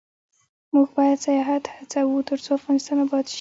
موږ باید سیاحت هڅوو ، ترڅو افغانستان اباد شي.